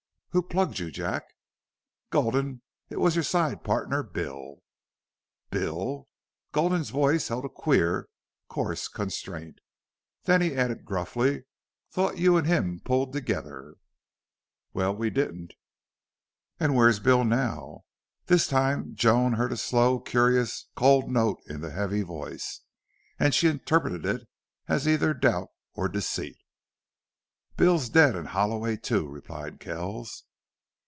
"Who plugged you, Jack?" "Gulden, it was your side partner, Bill." "Bill?" Gulden's voice held a queer, coarse constraint. Then he added, gruffly. "Thought you and him pulled together." "Well, we didn't." "And where's Bill now?" This time Joan heard a slow, curious, cold note in the heavy voice, and she interpreted it as either doubt or deceit. "Bill's dead and Halloway, too," replied Kells.